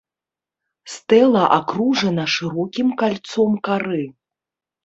Стэла акружана шырокім кальцом кары.